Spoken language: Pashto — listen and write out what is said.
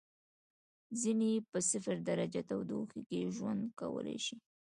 ځینې یې په صفر درجه تودوخې کې ژوند کولای شي.